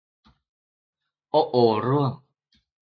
โอะโอะร่วง